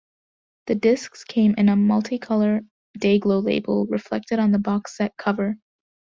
The discs came in a multicolour dayglo label reflected on the box set cover.